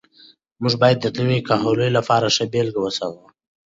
موږ باید د نوي کهول لپاره ښه بېلګه واوسو.